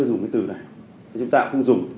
chúng ta cũng không dùng